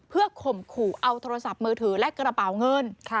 เพื่อข่มขู่เอาโทรศัพท์มือถือและกระเป๋าเงิน